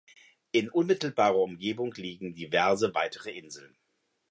In unmittelbarer Umgebung liegen diverse weitere Inseln.